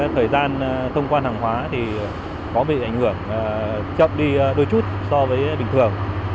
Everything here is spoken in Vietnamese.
thời gian thông quan hàng hóa thì có bị ảnh hưởng chậm đi đôi chút so với bình thường